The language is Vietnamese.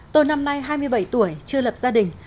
tôi năm nay hai mươi bảy tuổi chưa lập gia đình